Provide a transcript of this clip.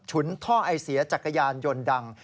ท่อไอเสียจักรยานยนต์ดัง